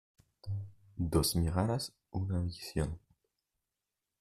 Dos miradas, una visión.